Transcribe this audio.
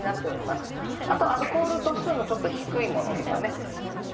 あとアルコール度数のちょっと低いものとかね。